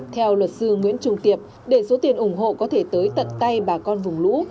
theo luật sư nguyễn trung tiệp để số tiền ủng hộ có thể tới tận tay bà con vùng lũ